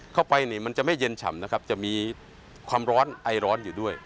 เข้าไปนี่มันจะไม่เย็นฉ่ำนะครับจะมีความร้อนไอร้อนอยู่ด้วย